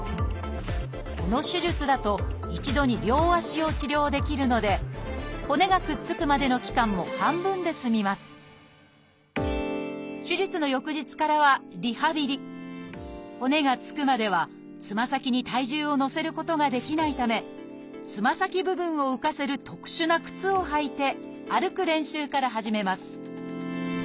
この手術だと一度に両足を治療できるので骨がくっつくまでの期間も半分で済みます骨がつくまではつま先に体重を乗せることができないためつま先部分を浮かせる特殊な靴を履いて歩く練習から始めます